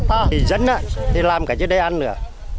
thì dân thì làm cả chiếc đê ăn nữa